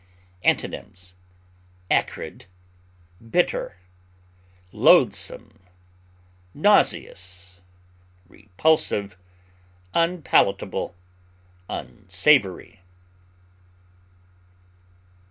Antonyms: acrid, loathsome, nauseous, repulsive, unpalatable, unsavory.